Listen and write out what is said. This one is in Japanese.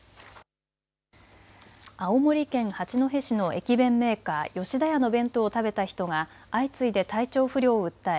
青森県八戸市の駅弁メーカー、吉田屋の弁当を食べた人が相次いで体調不良を訴え